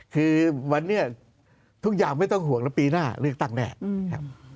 คือวันนี้ทุกอย่างไม่ต้องห่วงแล้วปีหน้าเลือกตั้งแน่ครับ